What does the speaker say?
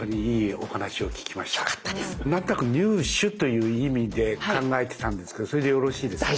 何となく入手という意味で考えてたんですけどそれでよろしいですか？